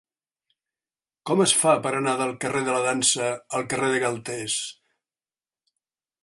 Com es fa per anar del carrer de la Dansa al carrer de Galtés?